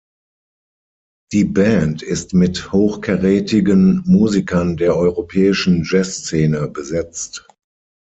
Die Band ist mit hochkarätigen Musikern der europäischen Jazzszene besetzt.